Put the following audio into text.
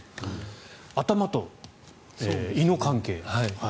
頭と胃の関係。